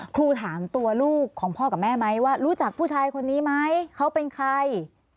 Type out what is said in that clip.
ครูถามตัวลูกของพ่อกับแม่ไหมว่ารู้จักผู้ชายคนนี้ไหมเขาเป็นใคร